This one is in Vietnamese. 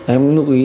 em lúc ấy